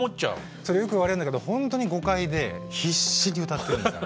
それねよく言われるんだけどほんとに誤解で必死に歌ってるんですよ。